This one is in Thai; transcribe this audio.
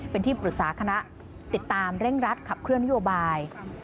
เป็นที่ปรึกษาคณะติดตามเร่งรัดขับเคลื่อนนโยบาย